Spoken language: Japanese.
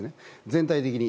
全体的に。